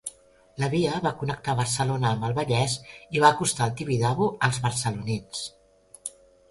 La via va connectar Barcelona amb el Vallès i va acostar el Tibidabo als barcelonins.